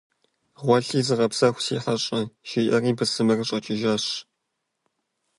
- Гъуэлъи зыгъэпсэху, си хьэщӀэ! - жиӀэри бысымыр щӀэкӀыжащ.